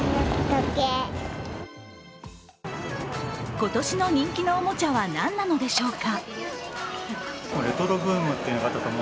今年の人気のおもちゃは何なのでしょうか。